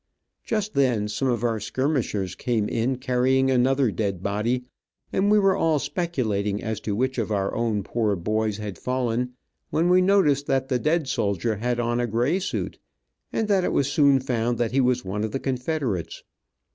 Just then some of our skirmishers came in carrying another dead body, and we were all speculating as to which one of our poor boys had fallen, when we noticed that the dead soldier had on a gray suit, and it was soon found that he was one of the Confederates.